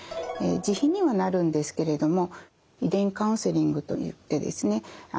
自費にはなるんですけれども遺伝カウンセリングといってですね